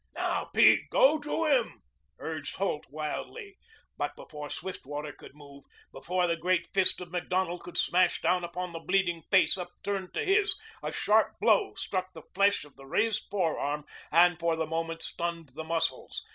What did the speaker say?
"Now, Pete. Go to him," urged Holt wildly. But before Swiftwater could move, before the great fist of Macdonald could smash down upon the bleeding face upturned to his, a sharp blow struck the flesh of the raised forearm and for the moment stunned the muscles.